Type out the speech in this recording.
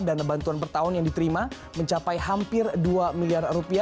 dana bantuan per tahun yang diterima mencapai hampir rp dua miliar